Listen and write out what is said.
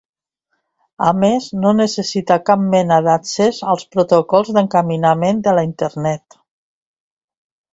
A més, no necessita cap mena d'accés als protocols d'encaminament de la Internet.